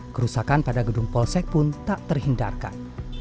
kerusakan pada gedung polsek pun tak terhindarkan